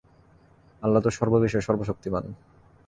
আল্লাহ তো সর্ব বিষয়ে সর্বশক্তিমান।